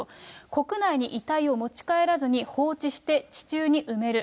国内に遺体を持ち帰らずに放置して地中に埋める。